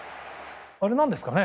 あれ、何ですかね。